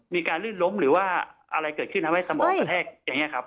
ลื่นล้มหรือว่าอะไรเกิดขึ้นทำให้สมองกระแทกอย่างนี้ครับ